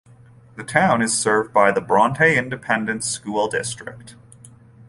The town is served by the Bronte Independent School District.